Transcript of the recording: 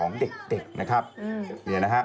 น้องน้องกลัวอย่าไปแจ้งตำรวจดีกว่าเด็ก